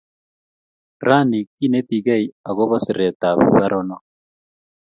Rani kenetikey akopo siret ap paronok.